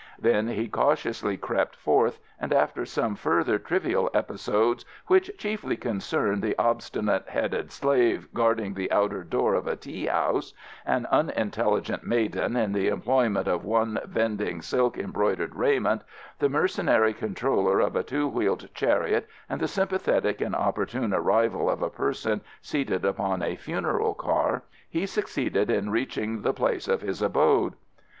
Then he cautiously crept forth, and after some further trivial episodes which chiefly concern the obstinate headed slave guarding the outer door of a tea house, an unintelligent maiden in the employment of one vending silk embroidered raiment, the mercenary controller of a two wheeled chariot and the sympathetic and opportune arrival of a person seated upon a funeral car, he succeeded in reaching the place of his abode.